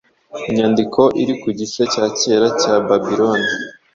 Inyandiko iri ku gice cya kera cya Babiloni